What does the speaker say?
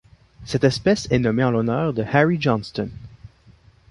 Cette espèce est nommée en l'honneur de Harry Johnston.